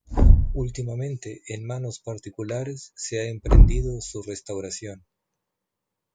Últimamente en manos particulares, se ha emprendido su restauración.